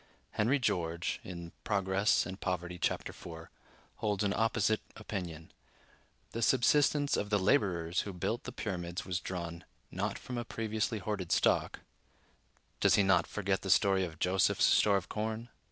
Henry George ("Progress and Poverty," chap. iv) holds an opposite opinion: "The subsistence of the laborers who built the Pyramids was drawn, not from a previously hoarded stock" (does he not forget the story of Joseph's store of corn?)